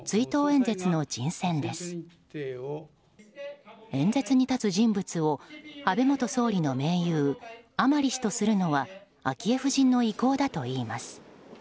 演説に立つ人物を安倍元総理の盟友甘利氏とするのは昭恵夫人の意向だといいます。